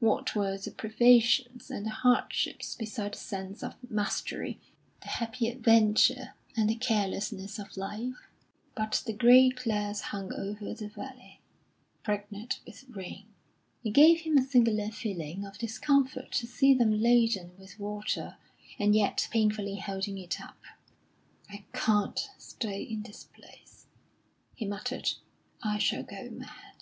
What were the privations and the hardships beside the sense of mastery, the happy adventure, and the carelessness of life? But the grey clouds hung over the valley, pregnant with rain. It gave him a singular feeling of discomfort to see them laden with water, and yet painfully holding it up. "I can't stay in this place," he muttered. "I shall go mad."